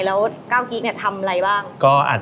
แล้วก้าวกิ๊กเนี่ยทำอะไรบ้าง